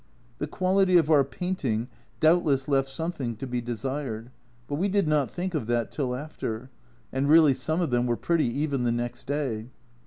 The quality of our painting doubtless left something to be desired, but we did not think of that till after, and really some of them were pretty, even the next day.